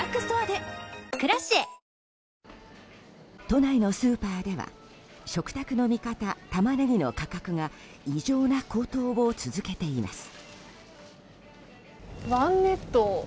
都内のスーパーでは食卓の味方タマネギの価格が異常な高騰を続けています。